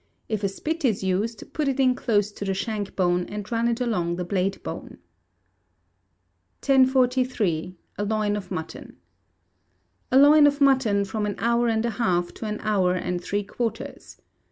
If a spit is used, put it in close to the shank bone, and run it along the blade bone. 1043. A Loin of Mutton. A loin of mutton, from an hour and a half to an hour and three quarters.